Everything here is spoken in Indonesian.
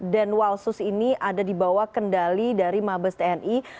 dan walsus ini ada di bawah kendali dari mabes tni